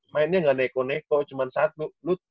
mainnya gak neko neko cuman satu